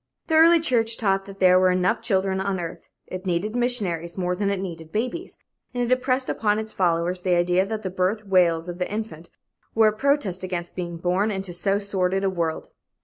The early church taught that there were enough children on earth. It needed missionaries more than it needed babies, and impressed upon its followers the idea that the birth wails of the infant were a protest against being born into so sordid a world.